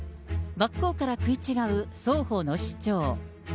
真っ向から食い違う双方の主張。